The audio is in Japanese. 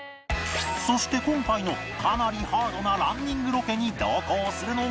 そして今回のかなりハードなランニングロケに同行するのが